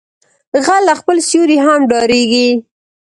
غل له خپل سيوري هم ډاریږي